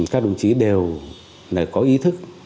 các đồng chí đều có ý thức